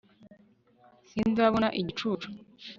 sinzabona igicucu